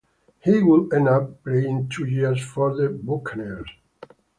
He would end up playing two years for the Buccaneers.